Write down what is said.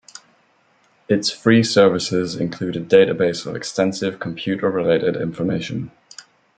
Its free services include a database of extensive computer-related information.